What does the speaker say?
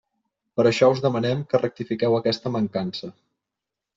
Per això us demanem que rectifiqueu aquesta mancança.